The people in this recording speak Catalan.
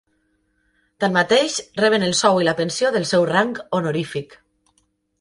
Tanmateix, reben el sou i la pensió del seu rang honorífic.